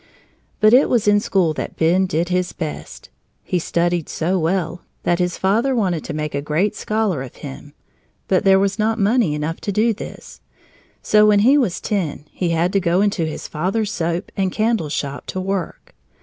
But it was in school that Ben did his best. He studied so well that his father wanted to make a great scholar of him, but there was not money enough to do this, so when he was ten he had to go into his father's soap and candle shop to work.